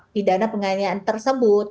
pidana penyayaan tersebut